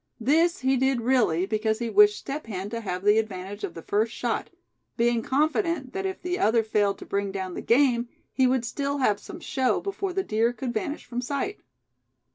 This he did really because he wished Step Hen to have the advantage of the first shot; being confident that if the other failed to bring down the game he would still have some show before the deer could vanish from sight.